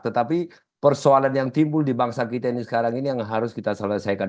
tetapi persoalan yang timbul di bangsa kita ini sekarang ini yang harus kita selesaikan